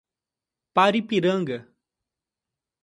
Paripiranga